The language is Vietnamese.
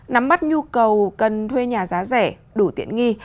nắm mắt nhu cầu cần thuê nhà giá rẻ đủ tiện nghi